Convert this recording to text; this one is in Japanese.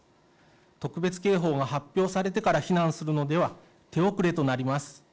特別警報が発表されてから避難するのでは手遅れとなります。